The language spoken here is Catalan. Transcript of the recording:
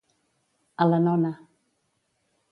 A la nona.